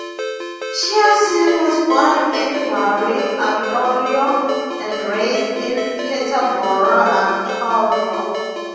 Chiasson was born in Barrie, Ontario, and raised in Peterborough, Ontario.